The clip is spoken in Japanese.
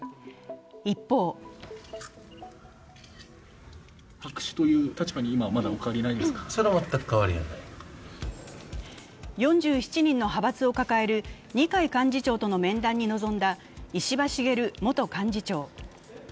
一方４７人の派閥を抱える二階幹事長との面談に臨んだ石破茂元幹事長。